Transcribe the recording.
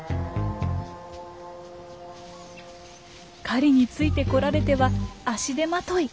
狩りについてこられては足手まとい。